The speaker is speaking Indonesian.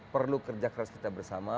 perlu kerja keras kita bersama